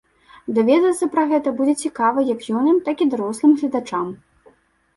Даведацца пра гэта будзе цікава як юным, так і дарослым гледачам.